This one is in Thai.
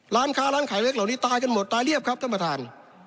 ร้านค้าร้านขายเล็กเหล่านี้ตายกันหมดตายเรียบครับท่านประธาน